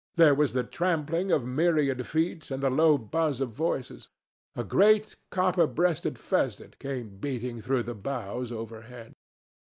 There was the trampling of myriad feet and the low buzz of voices. A great copper breasted pheasant came beating through the boughs overhead.